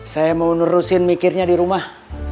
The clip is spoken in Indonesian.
saya mau nerusin mikirnya di rumah